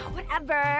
whatever udah lama